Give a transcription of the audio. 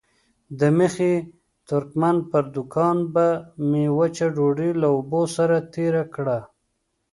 د مخي ترکمن پر دوکان به مې وچه ډوډۍ له اوبو سره تېره کړه.